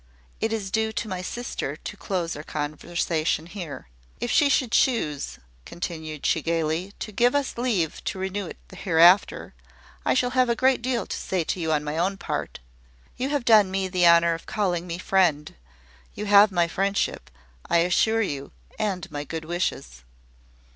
It is due to my sister to close our conversation here. If she should choose," continued she, gaily, "to give us leave to renew it hereafter, I shall have a great deal to say to you on my own part. You have done me the honour of calling me `friend.' You have my friendship, I assure you, and my good wishes."